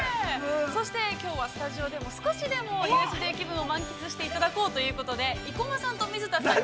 ◆そしてきょうはスタジオでも少しでもＵＳＪ気分を満喫していただこうということで、生駒さんと水田さんに。